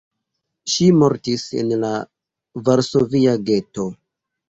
Ŝi mortis en la varsovia geto.